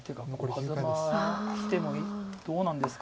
「ハザマきてもどうなんですか？」